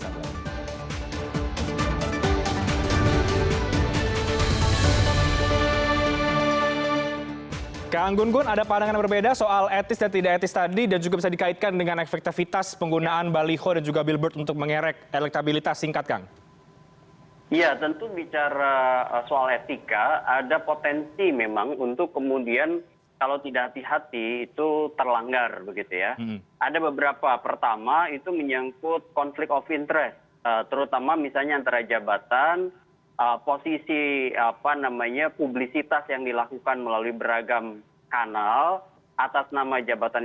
terhadap mungkin banyak bakal kandidat